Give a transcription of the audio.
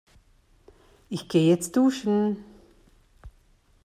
Ich geh jetzt duschen.